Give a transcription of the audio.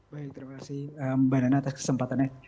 baik terima kasih mbak nana atas kesempatannya